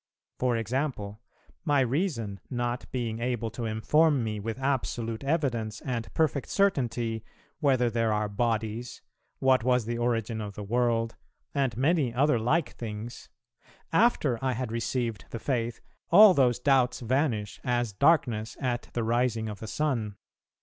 For example: my reason not being able to inform me with absolute evidence, and perfect certainty, whether there are bodies, what was the origin of the world, and many other like things, after I had received the Faith, all those doubts vanish, as darkness at the rising of the sun.